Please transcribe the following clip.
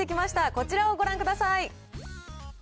こちらをご覧ください。